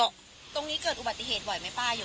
แล้วตรงนี้เกิดปฏิเสธบ้อยไหมป้า